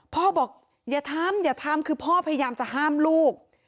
พ่อบอกอย่าทำอย่าทำคือพ่อพยายามจะห้ามลูก